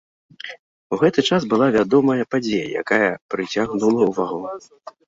У гэты час была вядомая падзея, якая прыцягнула ўвагу.